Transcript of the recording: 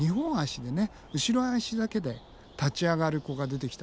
後ろ足だけで立ち上がる子が出てきたのね。